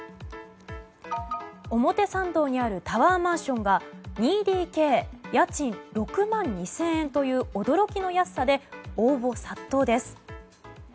表参道にあるタワーマンションが２ＤＫ家賃６万２０００円という驚きの安さで応募殺到です。